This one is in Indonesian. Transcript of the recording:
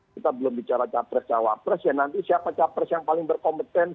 kita belum bicara capres cawapres ya nanti siapa capres yang paling berkompeten